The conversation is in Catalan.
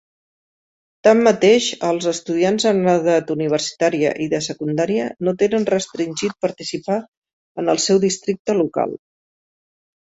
Tanmateix, els estudiants en edat universitària i de secundària no tenen restringit participar en el seu districte local.